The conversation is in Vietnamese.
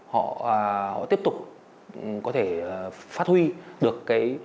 họ tiếp tục có thể phát huy được cái